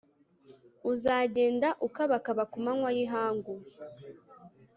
Uzagenda ukabakaba ku manywa y’ihangu